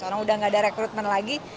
orang udah enggak ada rekrutmen lagi